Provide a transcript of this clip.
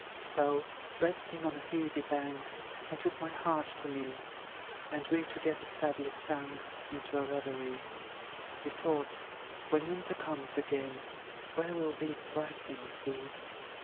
So, resting on a heathy bank, I took my heart to me; And we together sadly sank Into a reverie. We thought, "When winter comes again, Where will these bright things be?